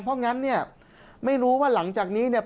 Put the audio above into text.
เพราะงั้นเนี่ยไม่รู้ว่าหลังจากนี้เนี่ย